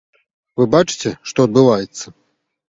Вы бачыце, што адбываецца!